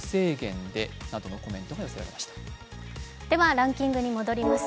ランキングに戻ります。